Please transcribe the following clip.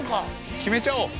決めちゃおう。